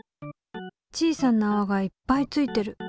小さなあわがいっぱいついてる！